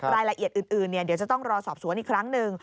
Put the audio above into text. รายละเอียดอื่นเดี๋ยวจะต้องรอสอบสวนอีกครั้งหนึ่ง